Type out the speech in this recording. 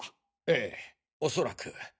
ええおそらく。